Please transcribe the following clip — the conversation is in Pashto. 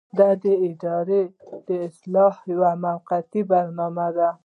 دا د ادارې د اصلاح یوه موقته برنامه ده.